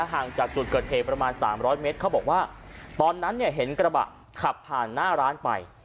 ห่างจากจุดเกิดเหตุประมาณ๓๐๐เมตรเขาบอกว่าตอนนั้นเนี่ยเห็นกระบะขับผ่านหน้าร้านไป